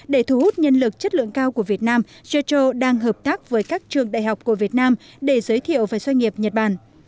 để thu hút nhân lực chất lượng cao của việt nam jetro đang hợp tác với các trường đại học của việt nam để giới thiệu về doanh nghiệp nhật bản